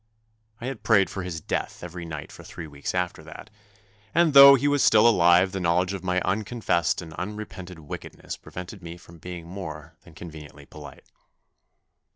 I had prayed for his death every night for three weeks after that, and though he was still alive the knowledge of my unconfessed and unrepented wickedness prevented me from being more than conveniently polite.